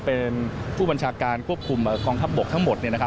เป็นผู้บัญชาการควบคุมกองทัพบกทั้งหมด